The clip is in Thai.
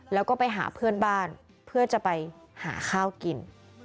แล้วก็ไปหาเพื่อนบ้านเพื่อจะไปหาข้าวกิน